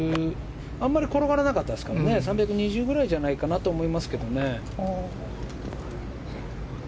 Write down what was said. あまり転がらなかったですから３２０くらいじゃないかなと思いますけどね。